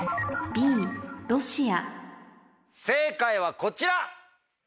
正解はこちら。